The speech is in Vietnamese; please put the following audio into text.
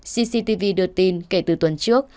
cctv đưa tin kể từ tuần trước